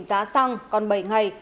giá xăng còn bảy ngày